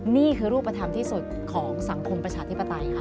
นี่คือรูปธรรมที่สุดของสังคมประชาธิปไตยค่ะ